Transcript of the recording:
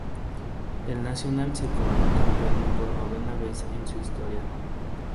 El Nacional se coronó campeón por novena vez en su historia.